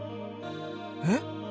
えっ？